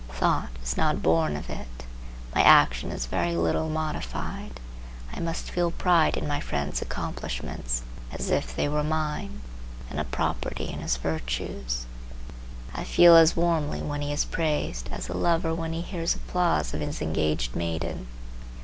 Thought is not born of it; my action is very little modified. I must feel pride in my friend's accomplishments as if they were mine, and a property in his virtues. I feel as warmly when he is praised, as the lover when he hears applause of his engaged maiden.